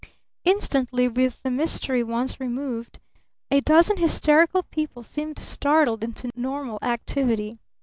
Instantly, with the mystery once removed, a dozen hysterical people seemed startled into normal activity.